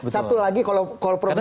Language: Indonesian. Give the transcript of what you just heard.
satu lagi kalau prof mahfud